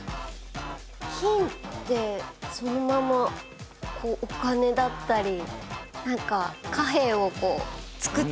金ってそのままお金だったりなんか貨幣を作っていた町！